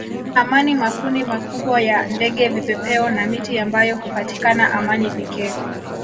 amani makundi makubwa ya ndege vipepeo na miti ambayo hupatikana amani pekee